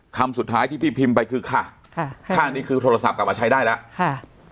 คำสุดท้ายที่พี่พิมพ์ไปคือค่ะค่ะข้างนี้คือโทรศัพท์กลับมาใช้ได้แล้วค่ะ